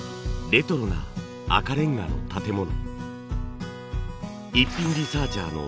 レトロな赤レンガの建物。